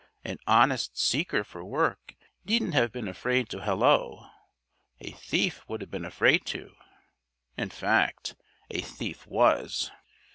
An honest seeker for work needn't have been afraid to halloo. A thief would have been afraid to. In fact, a thief _was!